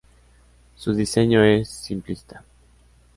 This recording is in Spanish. Su diseño es simplista.